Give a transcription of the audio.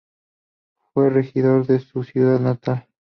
Fue regidor de su ciudad natal.